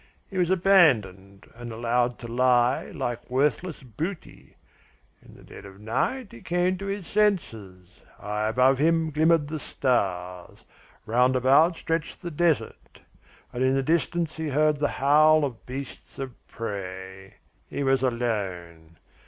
He was abandoned and allowed to lie like worthless booty. In the dead of night he came to his senses. High above him glimmered the stars. Round about stretched the desert; and in the distance he heard the howl of beasts of prey. He was alone.